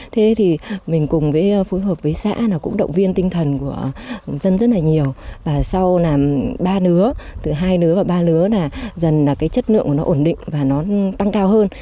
thế thì mình cùng với phối hợp với xã là cũng động viên tinh thần của dân rất là nhiều và sau làm ba nứa từ hai nứa và ba lứa là dần là cái chất lượng của nó ổn định và nó tăng cao hơn